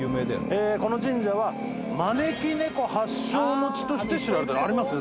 この神社は招き猫発祥の地として知られてるありますね